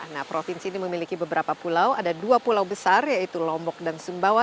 nah provinsi ini memiliki beberapa pulau ada dua pulau besar yaitu lombok dan sumbawa